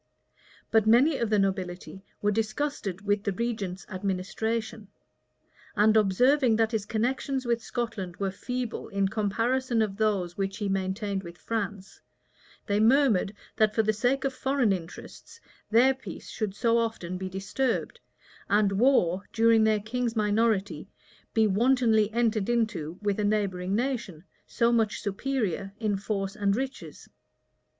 But many of the nobility were disgusted with the regent's administration; and observing that his connections with Scotland were feeble in comparison of those which he maintained with France, they murmured that for the sake of foreign interests, their peace should so often be disturbed and war, during their king's minority, be wantonly entered into with a neighboring nation, so much superior in force and riches.